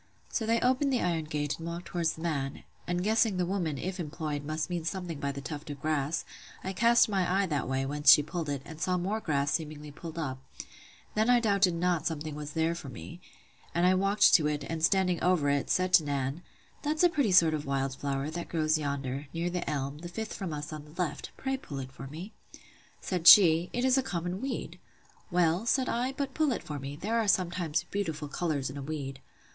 So they opened the iron gate and walked down towards the man; and guessing the woman, if employed, must mean something by the tuft of grass, I cast my eye that way, whence she pulled it, and saw more grass seemingly pulled up: then I doubted not something was there for me; and I walked to it, and standing over it, said to Nan, That's a pretty sort of wild flower, that grows yonder, near the elm, the fifth from us on the left; pray pull it for me. Said she, It is a common weed. Well, said I, but pull it for me; there are sometimes beautiful colours in a weed.